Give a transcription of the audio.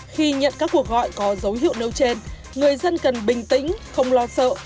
khi nhận các cuộc gọi có dấu hiệu nêu trên người dân cần bình tĩnh không lo sợ